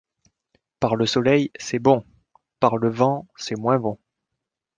Par le soleil c’est bon ; par le vent c’est moins bon.